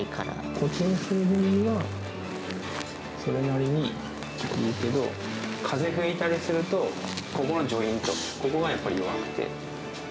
固定する分には、それなりにいいけど、風吹いたりすると、ここのジョイント、ここがやっぱり弱くて。